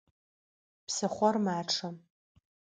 Псыхъор мачъэ.